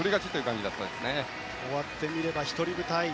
終わってみれば１人舞台。